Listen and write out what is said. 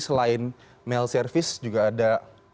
selain mail service juga ada